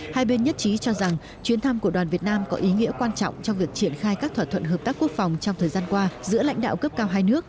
hai bên nhất trí cho rằng chuyến thăm của đoàn việt nam có ý nghĩa quan trọng trong việc triển khai các thỏa thuận hợp tác quốc phòng trong thời gian qua giữa lãnh đạo cấp cao hai nước